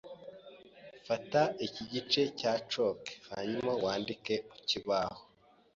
Fata iki gice cya chalk hanyuma wandike ku kibaho.